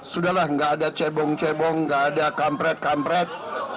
sudahlah tidak ada cebong cebong tidak ada kampret kampret